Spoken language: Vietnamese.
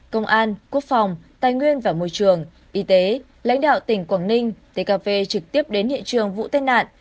công an quốc phòng tài nguyên và môi trường y tế lãnh đạo tỉnh quảng ninh tkv trực tiếp đến hiện trường vụ tai nạn